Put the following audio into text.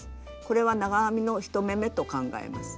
これは長編みの１目めと考えます。